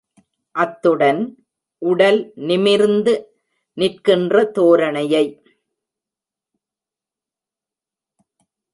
அத்துடன், உடல் நிமிர்ந்து நிற்கின்ற தோரணையை.